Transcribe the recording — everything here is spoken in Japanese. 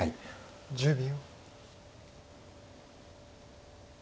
１０秒。